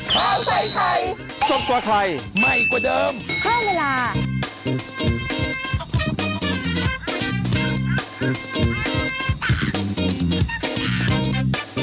ไปแล้วครับสวัสดีครับ